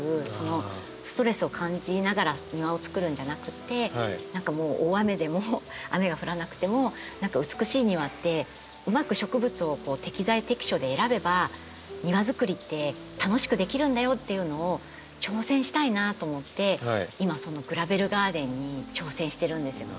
ストレスを感じながら庭をつくるんじゃなくて何かもう大雨でも雨が降らなくても美しい庭ってうまく植物を適材適所で選べば庭づくりって楽しくできるんだよっていうのを挑戦したいなと思って今そのグラベルガーデンに挑戦してるんですよね。